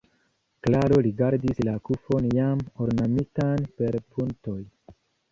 Klaro rigardis la kufon jam ornamitan per puntoj.